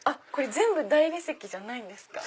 全部大理石じゃないんですか？